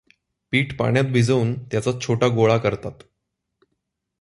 पीठ पाण्यात भिजवून, त्याचा छोटा गोळा करतात.